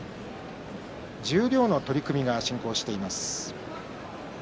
十両の取組が進行しています。